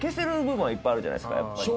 部分はいっぱいあるじゃないですかやっぱり。